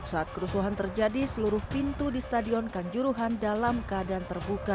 saat kerusuhan terjadi seluruh pintu di stadion kanjuruhan dalam keadaan terbuka